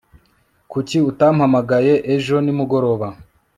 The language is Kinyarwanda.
kuki utampamagaye ejo nimugoroba